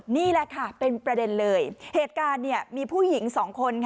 นี่แหละค่ะเป็นประเด็นเลยเหตุการณ์มีผู้หญิงสองคน